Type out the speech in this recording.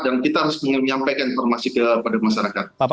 dan kita harus menyampaikan informasi kepada masyarakat